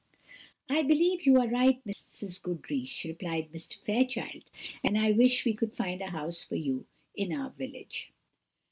"I believe you are right, Mrs. Goodriche," replied Mr. Fairchild; "and I wish we could find a house for you in our village."